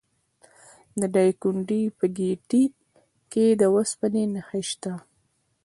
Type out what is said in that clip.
د دایکنډي په ګیتي کې د وسپنې نښې شته.